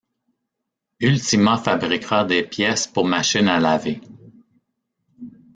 Ultima fabriquera des pièces pour machines à laver.